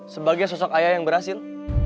sebagai sosok ayah yang berhasil